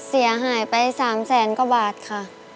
เสียหายไป๓แสนกว่าบาทค่ะ